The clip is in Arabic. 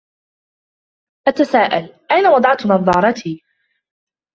أتساءل أين وضعت نظاراتي.